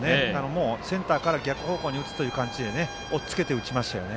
もう、センターから逆方向に打つ感じでおっつけて打ちましたよね。